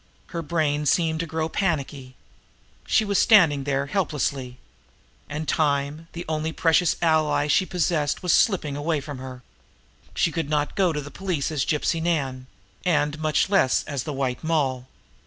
Her brain seemed to grow panicky. She was standing here helplessly. And time, the one precious ally that she possessed, was slipping away from her. She could not go to the police as Gypsy Nan and, much less, as the White Moll!